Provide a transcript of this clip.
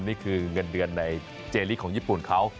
นี่คือเงินเดือนในเจลิกของญี่ปุ่นเขา